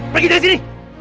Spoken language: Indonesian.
pergi dari sini